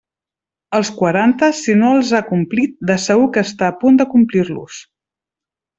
Els quaranta, si no els ha complit, de segur que està a punt de complir-los.